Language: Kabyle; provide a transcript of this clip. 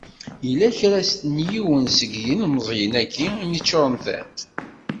Yella kra n yiwen seg yilemẓyen-agi i m-yeččuren tiṭ?